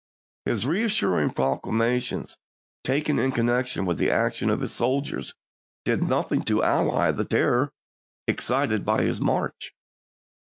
His reassuring proclamations, taken in connection with the action of his soldiers, did nothing to allay the terror excited by his march.